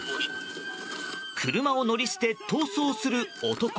車を乗り捨て逃走する男。